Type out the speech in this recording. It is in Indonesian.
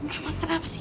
hah kenapa sih